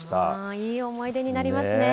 いい思い出になりますね。